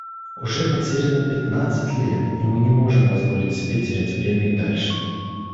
Уже потеряно пятнадцать лет, и мы не можем позволить себе терять время и дальше.